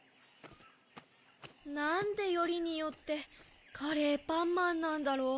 なんでよりによってカレーパンマンなんだろう。